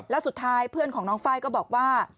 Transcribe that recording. แล้วสุดท้ายเพื่อนของน้องไฟล์ก็บอกว่า